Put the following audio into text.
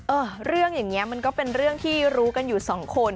เออเรื่องอย่างนี้มันก็เป็นเรื่องที่รู้กันอยู่สองคน